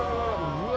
うわ。